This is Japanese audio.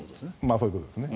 そういうことですね。